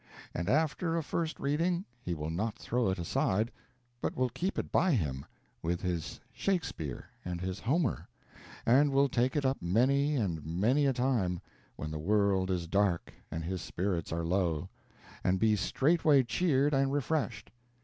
And after a first reading he will not throw it aside, but will keep it by him, with his Shakespeare and his Homer, and will take it up many and many a time, when the world is dark and his spirits are low, and be straightway cheered and refreshed.